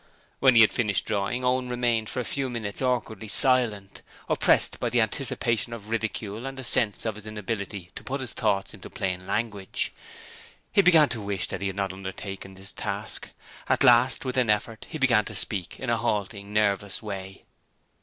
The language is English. When he had finished drawing, Owen remained for a few minutes awkwardly silent, oppressed by the anticipation of ridicule and a sense of his inability to put his thoughts into plain language. He began to wish that he had not undertaken this task. At last, with an effort, he began to speak in a halting, nervous way: ..................###..###....###############..###############..###############